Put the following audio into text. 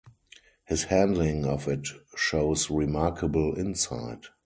His handling of it shows remarkable insight.